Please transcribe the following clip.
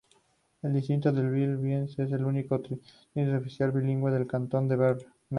El distrito de Biel-Bienne es el único distrito oficialmente bilingüe del cantón de Berna.